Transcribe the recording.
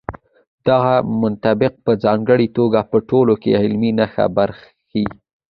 دغه منطق په ځانګړې توګه په ټولنو کې عملي نه برېښي.